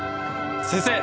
先生